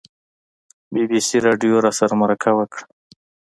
بي بي سي راډیو راسره مرکه وکړه.